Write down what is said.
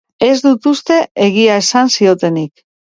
Ez dut uste egia esan ziotenik.